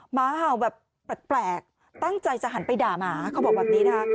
หมาเห่าแบบแปลกตั้งใจจะหันไปด่าหมาเขาบอกแบบนี้นะคะ